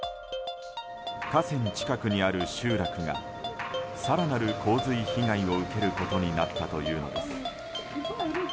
河川近くにある集落が更なる洪水被害を受けることになったというのです。